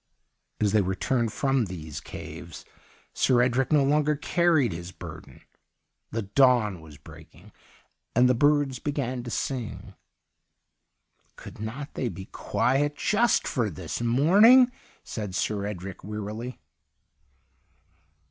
As they returned from these caves. Sir Edric no longer carried his 121 G THE UNDYING THING burden. The dawn was breaking and the birds began to sing. 'Could not they be quiet just for this morning ?' said Sir Edrie wearily.